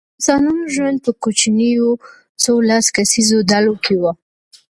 د انسانانو ژوند په کوچنیو څو لس کسیزو ډلو کې و.